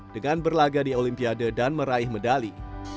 dengan berlaga di olimpiade dan meraih medali